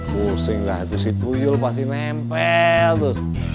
pusing lah itu si tuyul pasti nempel terus